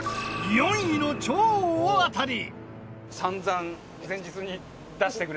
４位の超大当たり！